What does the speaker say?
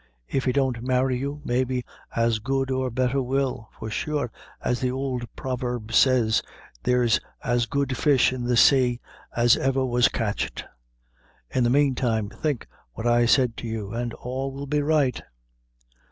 If he won't marry you, maybe as good or better will; for sure, as the ould proverb says, there's as good fish in the say as ever was catched. In the mane time think what I said to you, an' all will be right."